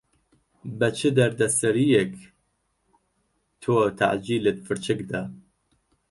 بە چ دەردەسەرییەک تۆ تەعجیلت فرچک دا.